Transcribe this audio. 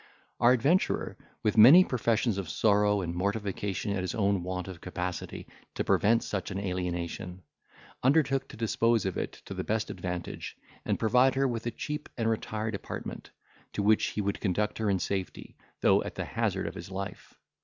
Our adventurer, with many professions of sorrow and mortification at his own want of capacity to prevent such an alienation, undertook to dispose of it to the best advantage, and to provide her with a cheap and retired apartment, to which he would conduct her in safety, though at the hazard of his life.